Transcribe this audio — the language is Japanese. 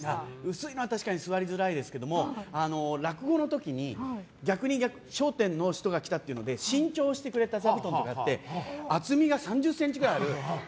薄いのは確かに座りづらいですけど落語の時に、逆に「笑点」の人が来たというので新調してくれた座布団とかあって厚みが３０ｃｍくらいあるやつ。